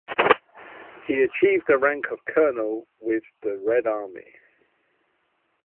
He achieved a rank of Colonel with the Red Army.